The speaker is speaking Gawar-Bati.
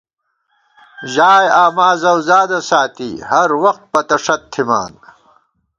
ژائےآمازؤزادہ ساتی، ہر وخت پتہ ݭت تھِمان